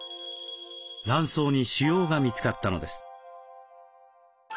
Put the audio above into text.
卵巣に腫瘍が見つかったのです。